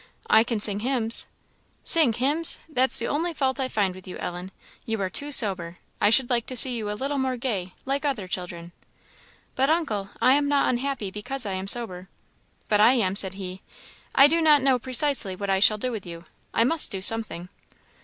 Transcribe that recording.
"I can sing hymns." "Sing hymns! That's the only fault I find with you, Ellen; you are too sober. I should like to see you a little more gay, like other children." "But, uncle, I am not unhappy because I am sober." "But I am," said he. "I do not know precisely what I shall do with you; I must do something!"